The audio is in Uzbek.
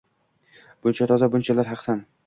Buncha toza, bunchalar haqsan.